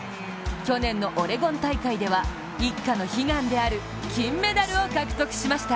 去年のオレゴン大会では一家の悲願である金メダルを獲得しました。